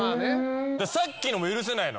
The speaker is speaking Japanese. さっきのも許せないの。